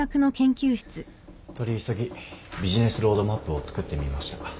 取り急ぎビジネスロードマップを作ってみました。